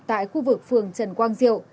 tại khu vực phường trần quang diệu